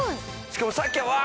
しかもさっきはうわ！